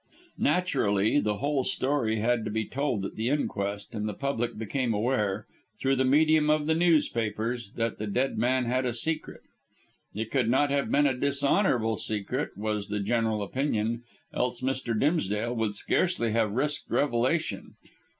Naturally, the whole story had to be told at the inquest, and the public became aware, through the medium of the newspapers, that the dead man had a secret. It could not have been a dishonourable secret, was the general opinion, else Mr. Dimsdale would scarcely have risked a revelation.